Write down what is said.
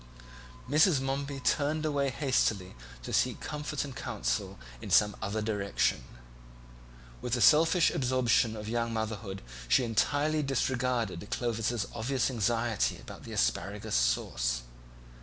Mrs. Momeby turned away hastily to seek comfort and counsel in some other direction. With the selfish absorption of young motherhood she entirely disregarded Clovis's obvious anxiety about the asparagus sauce.